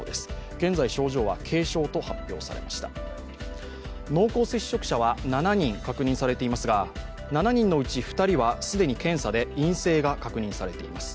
現在、症状は軽症と発表されました濃厚接触者は７人確認されていますが、７人のうち２人は既に検査で陰性が確認されています。